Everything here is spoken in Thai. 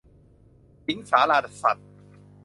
สิงห์สาราสัตว์